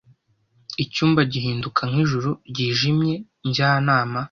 Icyumba gihinduka nkijuru ryijimye njyanama